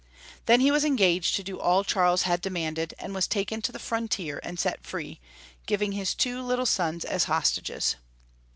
Then he engaged to do all Charles had demanded, and was taken to the frontier and set free, giving his two little sons as hostages.